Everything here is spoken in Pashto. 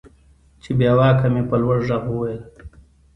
چې بېواكه مې په لوړ ږغ وويل.